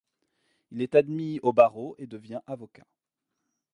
Il est admis au barreau et devient avocat.